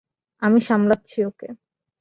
আমি সামলাচ্ছি ওকে।